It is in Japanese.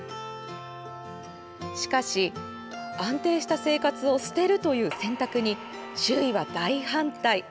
しかし、安定した生活を捨てるという選択に周囲は大反対。